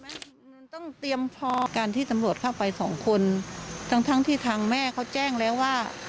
มันต้องเตรียมพอการที่ตำรวจเข้าไปสองคนทั้งทั้งที่ทางแม่เขาแจ้งแล้วว่า